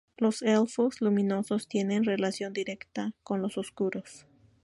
Los Elfos luminosos tienen relación directa con los oscuros.